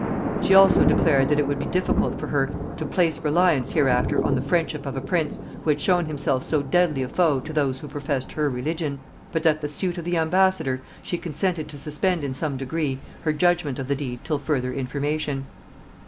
She also declared that it would be difficult for her to place reliance hereafter on the friendship of a prince who had shown himself so deadly a foe to those who professed her religion; but, at the suit of the ambassador, she consented to suspend in some degree her judgement of the deed till further information.